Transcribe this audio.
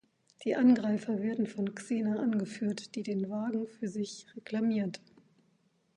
Die Angreifer werden von Xena angeführt, die den Wagen für sich reklamiert.